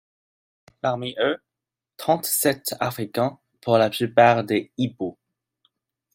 Parmi eux, trente-sept Africains, pour la plupart des Ibo.